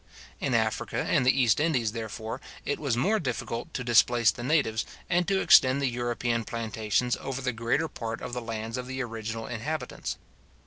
In Africa and the East Indies, therefore, it was more difficult to displace the natives, and to extend the European plantations over the greater part of the lands of the original inhabitants.